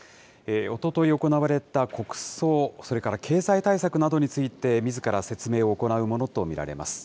おととい行われた国葬、それから経済対策などについて、みずから説明を行うものと見られます。